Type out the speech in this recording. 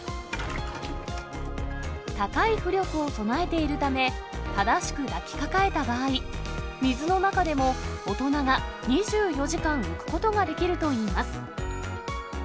高い浮力を備えているため、正しく抱きかかえた場合、水の中でも大人が２４時間浮くことができるといいます。